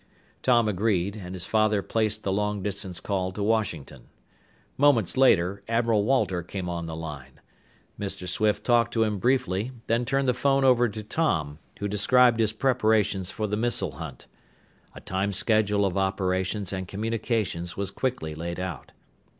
Tom agreed, and his father placed the long distance call to Washington. Moments later, Admiral Walter came on the line. Mr. Swift talked to him briefly, then turned the phone over to Tom, who described his preparations for the missile hunt. A time schedule of operations and communications was quickly laid out.